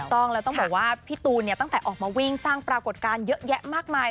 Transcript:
ต้องแล้วต้องบอกว่าพี่ตูนเนี่ยตั้งแต่ออกมาวิ่งสร้างปรากฏการณ์เยอะแยะมากมาย